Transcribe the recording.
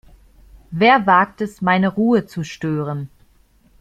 Wer wagt es, meine Ruhe zu stören?